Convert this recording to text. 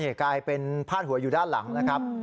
กลายเป็นพาดหัวอยู่ด้านหลังนะครับ